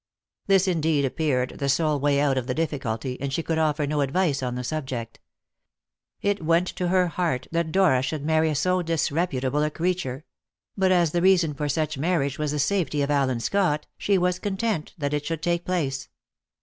This indeed appeared the sole way out of the difficulty, and she could offer no advice on the subject. It went to her heart that Dora should marry so disreputable a creature; but as the reason for such marriage was the safety of Allen Scott, she was content that it should take place.